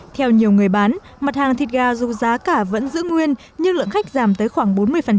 theo nhiều người bán mặt hàng thịt gà dù giá cả vẫn giữ nguyên nhưng lượng khách giảm tới khoảng bốn mươi